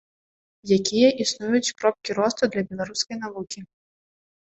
Якія існуюць кропкі росту для беларускай навукі?